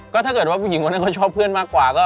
ก็ถ้าเกิดว่าผู้หญิงคนนั้นเขาชอบเพื่อนมากกว่าก็